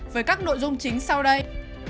với các nội dung chính sau đây